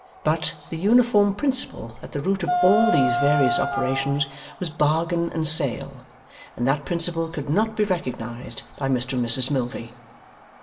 But, the uniform principle at the root of all these various operations was bargain and sale; and that principle could not be recognized by Mr and Mrs Milvey.